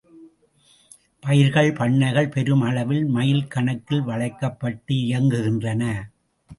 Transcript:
பயிர்கள் பண்ணைகள் பெரும் அளவில் மைல் கணக்கில் வளைக்கப்பட்டு இயங்குகின்றன.